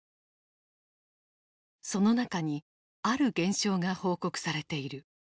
その中にある現象が報告されている。